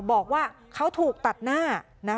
บอกว่าเขาถูกตัดหน้า